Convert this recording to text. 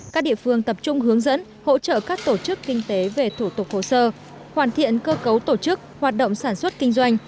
các địa phương tập trung hướng dẫn hỗ trợ các tổ chức kinh tế về thủ tục hồ sơ hoàn thiện cơ cấu tổ chức hoạt động sản xuất kinh doanh